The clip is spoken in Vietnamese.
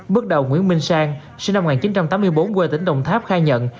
bước đầu nguyễn minh sang sinh năm một nghìn chín trăm tám mươi bốn quê tỉnh đồng tháp khai nhận